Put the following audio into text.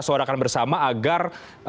suarakan bersama agar